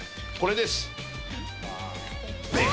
これです。